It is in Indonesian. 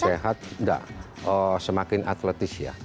semakin sehat nggak semakin atletis ya